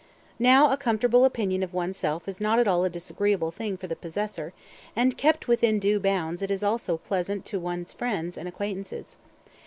Now a comfortable opinion of oneself is not at all a disagreeable thing for the possessor, and kept within due bounds it is also a pleasant thing to one's friends and acquaintances.